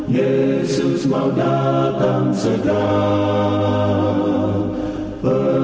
yesus mau datang sedang